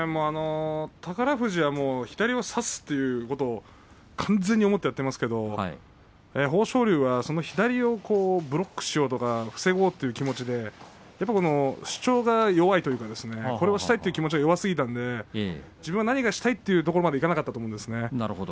宝富士は左を差すということを完全に思ってやっていますけれど豊昇龍はその左をブロックしようとか防ごうという気持ちで主張が弱いというかこれをしたいという気持ちが弱すぎたので自分は何をしたいところまでいかなかったと思うんですね。